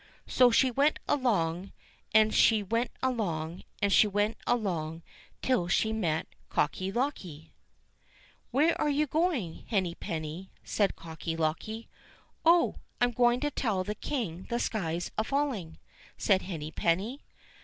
So she went along, and she went along, and she went along till she met Cocky locky. "Where are you going, Henny penny?" says Cocky locky. "Oh! I'm going to tell the King the sky's a falling," says Henny penny.